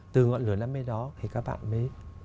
từ ngọn lửa đam mê đó thì các bạn mới